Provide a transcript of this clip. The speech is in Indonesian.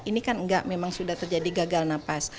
ini kan enggak memang sudah terjadi gagal nafas